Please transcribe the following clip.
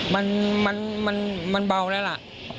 มันเบาแล้วล่ะ